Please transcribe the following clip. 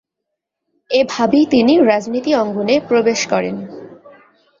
এভাবেই তিনি রাজনীতি অঙ্গনে প্রবেশ করেন।